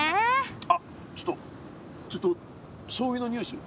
あっちょっとちょっとしょうゆの匂いする。